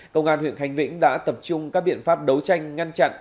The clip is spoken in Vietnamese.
công an huyện khánh vĩnh đã tập trung các biện pháp đấu tranh ngăn chặn